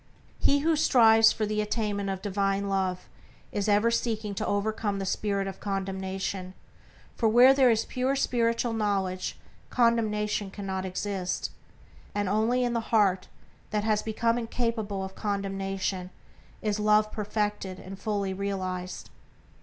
He who strives for the attainment of divine Love is ever seeking to overcome the spirit of condemnation, for where there is pure spiritual knowledge, condemnation cannot exist, and only in the heart that has become incapable of condemnation is Love perfected and fully realized.